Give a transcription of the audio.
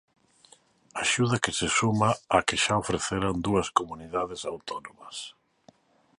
Axuda que se suma á que xa ofreceran dúas comunidades autónomas.